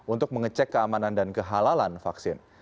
untuk mengecek keamanan dan kehalalan vaksin